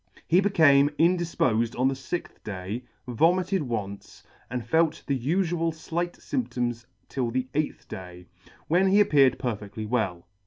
He became indifpofed on the fixth day, vomited once, and felt the ufual flight fymptoms till the eighth day, when he appeared perfedtly well.